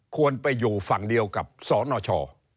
ควรไปอยู่ฝั่งเดียวกับสนช